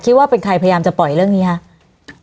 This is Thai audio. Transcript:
ว่าเป็นใครพยายามจะปล่อยเรื่องนี้คะ